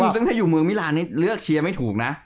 ซึ่งถ้าอยู่เมืองมิลานนี่เลือกเชียร์ไม่ถูกนะ